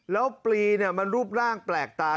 แล้วปลีมันรูปร่างแปลกตา